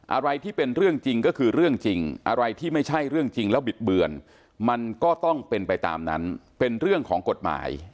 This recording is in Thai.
อะไรที่เป็นเรื่องจริงก็คือเรื่องจริงอะไรที่ไม่ใช่เรื่องจริงแล้วบิดเบือนมันก็ต้องเป็นไปตามนั้นเป็นเรื่องของกฎหมาย